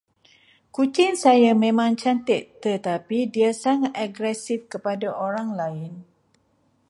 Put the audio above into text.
Kucing saya memang cantik tertapi dia sangat agresif kepada orang lain.